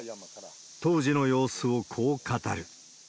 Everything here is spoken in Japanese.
当時の様子をこう語る。